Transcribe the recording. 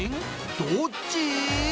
どっち？